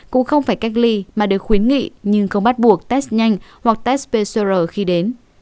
cũng không phải cách ly mà được khuyến nghị nhưng không bắt buộc test nhanh hoặc test pcr khi đến